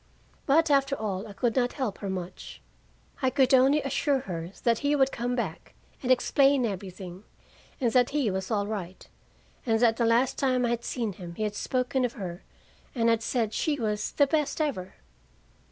But after all, I could not help her much. I could only assure her that he would come back and explain everything, and that he was all right, and that the last time I had seen him he had spoken of her, and had said she was "the best ever."